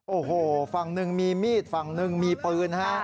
โอ้โหฝั่งหนึ่งมีมีดฝั่งหนึ่งมีปืนฮะ